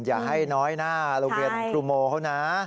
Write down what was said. อย่าให้น้อยหน้าโรงเรียนครูโมเขานะ